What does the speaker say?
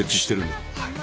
はい。